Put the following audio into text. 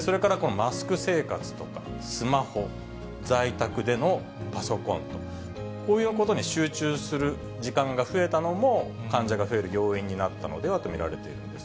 それからこのマスク生活とか、スマホ、在宅でのパソコンと、こういうことに集中する時間が増えたのも、患者が増える要因になったのではと見られているんです。